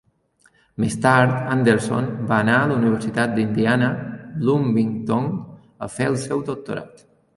Més tard, Andersson va anar a la Universitat d'Indiana, Bloomington, a fer el seu doctorat.